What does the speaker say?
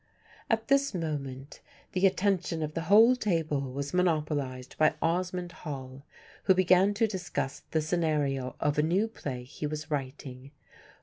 At this moment the attention of the whole table was monopolised by Osmond Hall, who began to discuss the scenario of a new play he was writing.